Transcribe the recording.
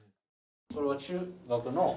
それは中学の。